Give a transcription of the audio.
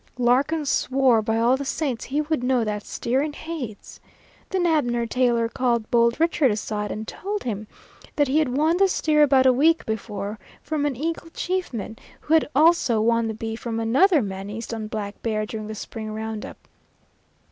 Larkin swore by all the saints he would know that steer in Hades. Then Abner Taylor called Bold Richard aside and told him that he had won the steer about a week before from an Eagle Chief man, who had also won the beef from another man east on Black Bear during the spring round up.